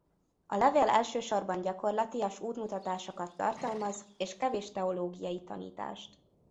A levél elsősorban gyakorlatias útmutatásokat tartalmaz és kevés teológiai tanítást.